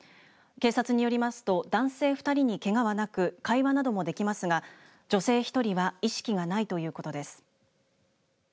警察によりますと男性２人にけがはなく会話などもできますが女性１人は意識がないということです。